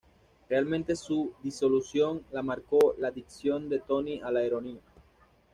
Realmente su disolución la marcó la dicción de Tony a la heroína.